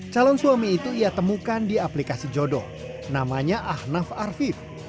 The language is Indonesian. calon suami itu ia temukan di aplikasi jodoh namanya ahnaf arfib